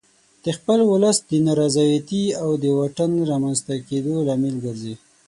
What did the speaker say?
د خپل ولس د نارضایتي او د واټن رامنځته کېدو لامل ګرځي.